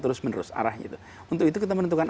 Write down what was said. terus menerus arahnya untuk itu kita menentukan